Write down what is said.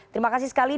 terima kasih sekali